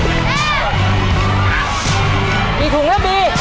มีถุงแล้วบีค่ะ